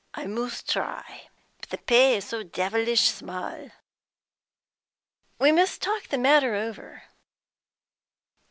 "I must try, but the pay is so devilish small." "We must talk the matter over."